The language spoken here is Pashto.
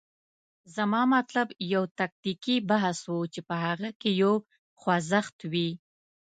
زما مطلب یو تکتیکي بحث و، چې په هغه کې یو خوځښت وي.